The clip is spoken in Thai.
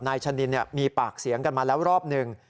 ชะนินมีปากเสียงกันมาแล้วรอบหนึ่ง